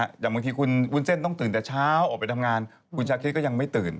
อย่างบางทีคุณวุ้นเส้นต้องตื่นแต่เช้าออกไปทำงานคุณชาคริสก็ยังไม่ตื่น